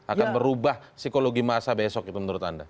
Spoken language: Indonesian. akan merubah psikologi masa besok itu menurut anda